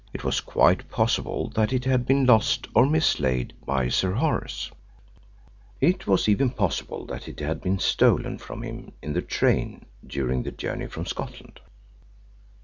It was quite possible that it had been lost or mislaid by Sir Horace; it was even possible that it had been stolen from him in the train during his journey from Scotland.